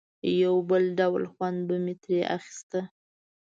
یو بل ډول خوند به مې ترې اخیسته.